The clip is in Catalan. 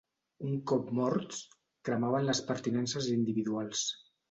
Un cop morts, cremaven les pertinences individuals.